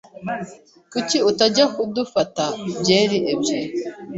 Kuki utajya kudufata byeri ebyiri?